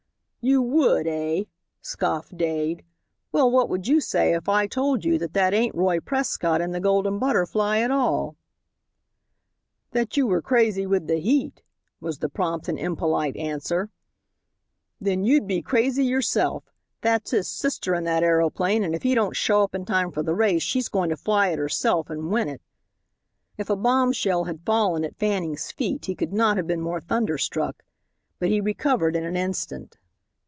"You would, eh?" scoffed Dade. "Well, what would you say if I told you that that ain't Roy Prescott in the Golden Butterfly at all?" "That you were crazy with the heat," was the prompt and impolite answer. "Then you'd be crazy yourself. That's his sister in that aeroplane, and if he don't show up in time for the race she's going to fly it herself and win it." If a bombshell had fallen at Fanning's feet he could not have been more thunderstruck. But he recovered in an instant.